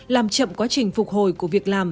làm chậm quá trình phục hồi của việc làm